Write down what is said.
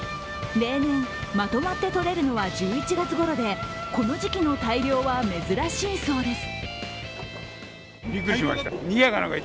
例年、まとまってとれるのは１１月ごろでこの時期の大漁は珍しいそうです。